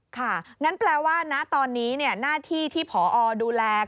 ค่ะงั้นแปลว่าตอนนี้หน้าที่ที่ผอดูแลคือ